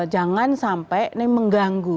jangan sampai mengganggu